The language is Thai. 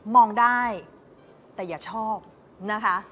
มองได้แต่อย่าชอบนะคะ